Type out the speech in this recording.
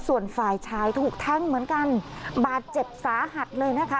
ส่วนฝ่ายชายถูกแทงเหมือนกันบาดเจ็บสาหัสเลยนะคะ